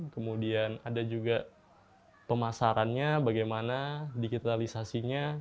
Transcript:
kemudian ada juga pemasarannya bagaimana digitalisasinya